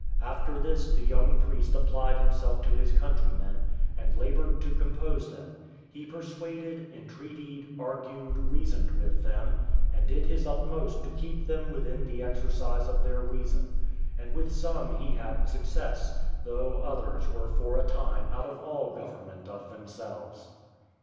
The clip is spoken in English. After this the young priest applied himself to his countrymen, and laboured to compose them: he persuaded, entreated, argued, reasoned with them, and did his utmost to keep them within the exercise of their reason; and with some he had success, though others were for a time out of all government of themselves.